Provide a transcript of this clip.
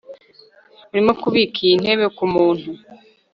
urimo kubika iyi ntebe kumuntu